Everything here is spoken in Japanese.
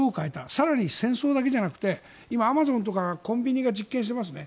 更に戦争だけじゃなくてアマゾンとかコンビニが実験してますね。